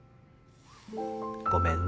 ごめんね